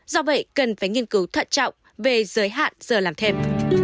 do vậy cần phải nghiên cứu thận trọng về giới hạn giờ làm thêm